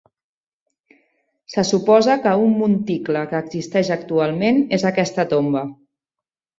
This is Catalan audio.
Se suposa que un monticle que existeix actualment és aquesta tomba.